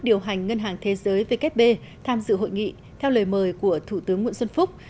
điều hành ngân hàng thế giới vkp tham dự hội nghị theo lời mời của thủ tướng nguyễn xuân phúc